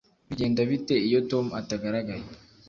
Bigenda bite iyo Tom atagaragaye